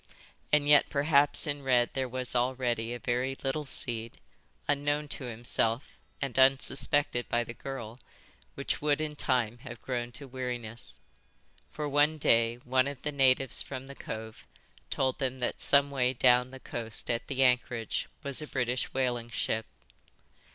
And yet perhaps in Red there was already a very little seed, unknown to himself and unsuspected by the girl, which would in time have grown to weariness. For one day one of the natives from the cove told them that some way down the coast at the anchorage was a British whaling ship."